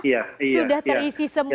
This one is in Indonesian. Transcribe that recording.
sudah terisi semua pak